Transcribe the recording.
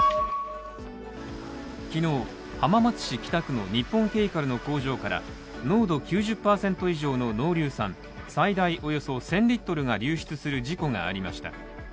昨日、浜松市北区の日本ケイカルの工場から濃度９０％以上の濃硫酸最大およそ１０００リットルが流出する事故がありました。